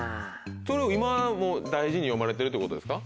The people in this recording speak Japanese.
それを今も大事に読まれてるということですか？